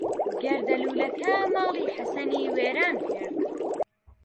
گەردەلوولەکە ماڵی حەسەنی وێران کرد.